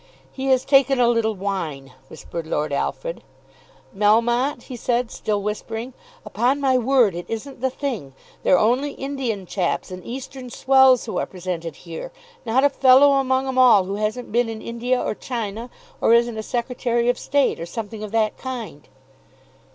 "He has taken a little wine," whispered Lord Alfred. "Melmotte," he said, still whispering; "upon my word it isn't the thing. They're only Indian chaps and Eastern swells who are presented here, not a fellow among 'em all who hasn't been in India or China, or isn't a Secretary of State, or something of that kind."